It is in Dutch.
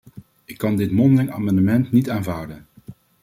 Ik kan dit mondelinge amendement niet aanvaarden.